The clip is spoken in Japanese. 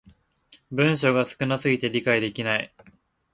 文章が少な過ぎて理解できない